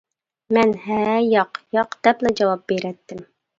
مەن «ھە» يا «ياق» دەپلا جاۋاب بېرەتتىم.